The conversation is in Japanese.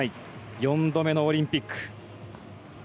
４度目のオリンピック。